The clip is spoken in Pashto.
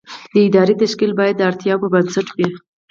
د ادارې تشکیل باید د اړتیاوو پر بنسټ وي.